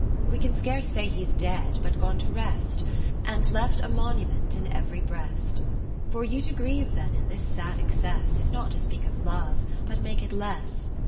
We can scarce say he's dead, but gone to rest, And left a monument in ev'ry breast. For you to grieve then in this sad excess, 2 r Is not to speak of love, but make it less.